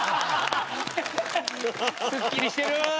すっきりしてる！